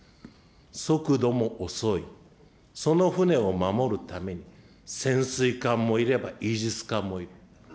速度も遅い、その船を守るために潜水艦もいればイージス艦もいる。